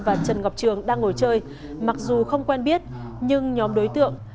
và trần ngọc trường đang ngồi chơi mặc dù không quen biết nhưng nhóm đối tượng